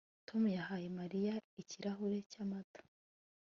Tom yahaye Mariya ikirahuri cyamata